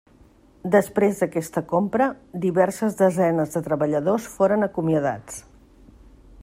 Després d'aquesta compra, diverses desenes de treballadors foren acomiadats.